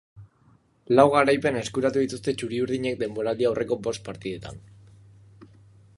Lau garaipen eskuratu dituzte txuriurdinek denboraldi-aurreko bost partidetan.